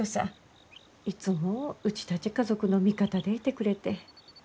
いつもうちたち家族の味方でいてくれて。